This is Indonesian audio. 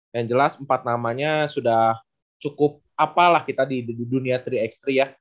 yang jelas empat namanya sudah cukup apalah kita di dunia tiga x tiga ya